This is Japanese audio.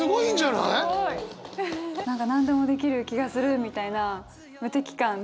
すごい！何か何でもできる気がするみたいな無敵感。